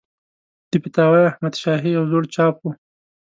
د فتاوی احمدشاهي یو زوړ چاپ و.